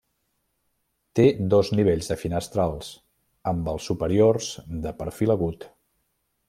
Té dos nivells de finestrals, amb els superiors de perfil agut.